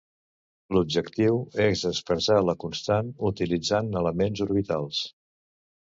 L'objectiu és expressar la constant utilitzant elements orbitals.